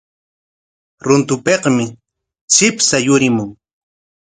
Runtupikmi chipsha yurimun.